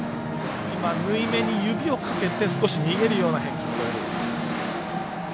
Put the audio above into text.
縫い目に指をかけて少し逃げるような変化球でした。